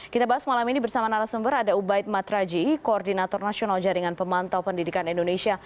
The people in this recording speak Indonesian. kita bahas malam ini bersama narasumber ada ubaid matraji koordinator nasional jaringan pemantau pendidikan indonesia